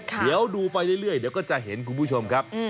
เดี๋ยวดูไปเรื่อยเดี๋ยวก็จะเห็นคุณผู้ชมครับ